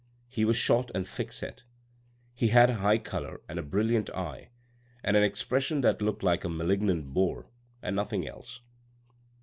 He was short and thick set. He had a high colour and a brilliant eye and an expression that looked like a malignant boar, and nothing else.